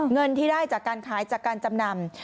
เงินที่ได้จากการขายจากการจำนำ